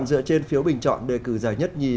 dựa trên phiếu bình chọn đề cử giải nhất nhì